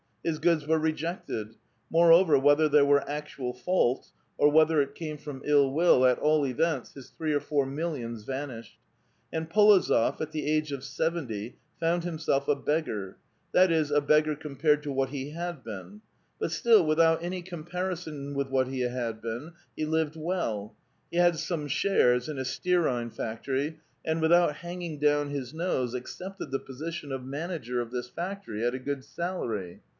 His goods were rejected ; moreover, whether there were actual faults, or whether it came from ill will, at all events, his three or four millions vanished. And P61ozof , at the age of seventy, found himself a beggar ; that is, a beggar compared to what he had been ; but still, without any comparison with what he had been, he lived well ; he had some shares in a stearine factory, and without hanging down his nose, accepted th6 position of manager of this factory, at a good salary.